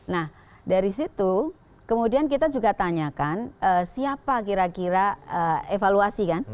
nah dari situ kemudian kita juga tanyakan siapa kira kira evaluasi kan